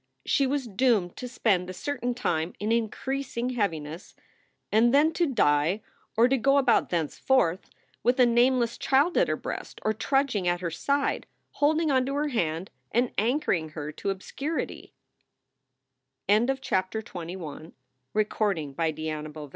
She was doomed to spend a certain time in increasing heaviness, and then to die or to go about thenceforth with a nameless child at her breast or trudging at her side, holding on to her hand and anchor ing her to obscurity. C